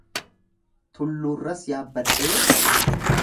Tulluurras yaabbadhee